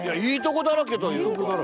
いいとこだらけというか。